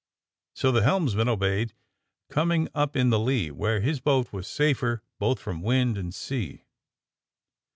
So the helmsman obeyed, coming up in the lee, where his boat was safer both from wind and sea.